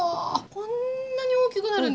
こんなに大きくなるんですか？